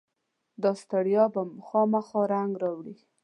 داستړیا به خامخا رنګ راوړي.